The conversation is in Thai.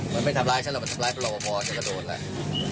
มันไม่ทำร้ายฉันหรอกมันทำร้ายรอปภฉันก็โดนแหละ